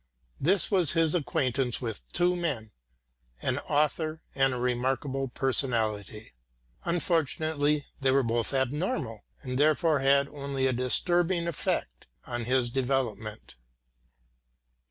This was his acquaintance with two men, an author and a remarkable personality. Unfortunately they were both abnormal and therefore had only a disturbing effect upon his development.